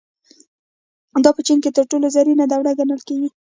دا په چین کې تر ټولو زرینه دوره ګڼل کېږي.